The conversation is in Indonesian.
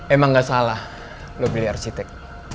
emang gak salah lo beli arsitek